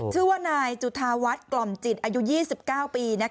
ชื่อว่านายจุธาวัฒน์กล่อมจิตอายุ๒๙ปี